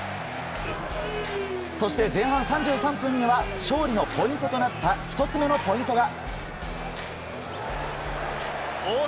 そして、前半３３分には勝利のポイントとなった１つ目のポイントが。